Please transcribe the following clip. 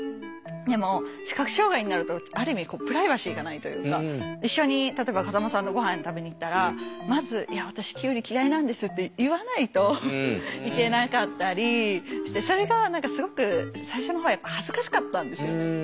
でも視覚障害になるとある意味プライバシーがないというか一緒に例えば風間さんとごはん食べに行ったらまず「いや私きゅうり嫌いなんです」って言わないといけなかったりしてそれが何かすごく最初のほうはやっぱ恥ずかしかったんですよね。